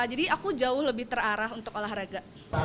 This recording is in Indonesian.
jadi aku jauh lebih terarah untuk olahraga